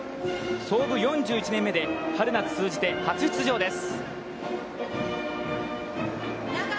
創部４１年目で春夏通じて初出場です。